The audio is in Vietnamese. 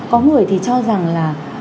có người thì cho rằng là